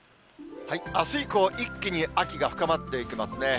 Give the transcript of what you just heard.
あす以降、一気に秋が深まっていきますね。